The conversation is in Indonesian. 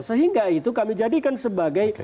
sehingga itu kami jadikan sebagai